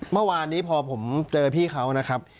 เมื่อวานนี้พอผมเจอพี่เขานะครับ